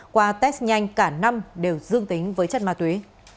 qua test nhanh cả năm đều dương tính với chất ma túy